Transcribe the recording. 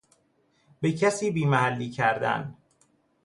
به کسی بیمحلی کردن